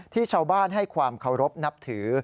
ที่ชาวบ้านให้ความเคารพนับถือ